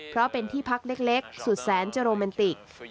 เพราะเป็นที่พักเล็กสุดแสนจะโรแมนติก